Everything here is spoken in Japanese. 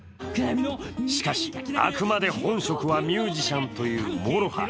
しかしあくまで本職はミュージシャンというＭＯＲＯＨＡ。